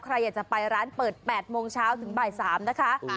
ใครอยากจะไปร้านเปิด๘โมงเช้าถึงบ่าย๓นะคะ